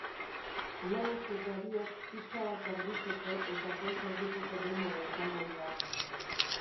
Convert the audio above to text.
LOUk eta biok pixka bat garbitzeko eta poltsa egiteko denbora izango diagu.